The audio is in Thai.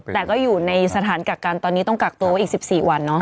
แต่ก็อยู่ในสถานกักกันตอนนี้ต้องกักตัวไว้อีก๑๔วันเนาะ